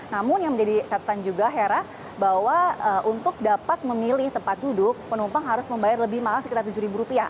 namun yang menjadi catatan juga hera bahwa untuk dapat memilih tempat duduk penumpang harus membayar lebih mahal sekitar tujuh rupiah